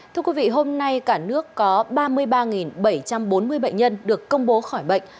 thưa quý vị hôm nay cả nước có ba mươi ba bảy trăm bốn mươi bệnh nhân được công bố khỏi bệnh